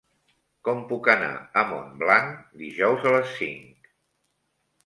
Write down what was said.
Com puc anar a Montblanc dijous a les cinc?